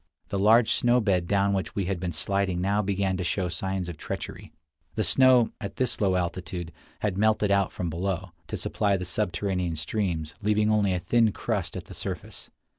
The large snow bed down which we had been sliding now began to show signs of treachery. The snow, at this low altitude, had melted out from below, to supply the subterranean streams, leaving only a thin crust at the surface.